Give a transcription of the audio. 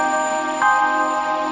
karena kepedulian kita